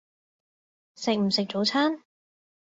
食唔食早餐？